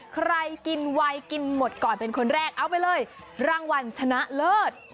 ใครกินไวกินหมดก่อนเป็นคนแรกเอาไปเลยรางวัลชนะเลิศ